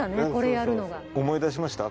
思い出しました？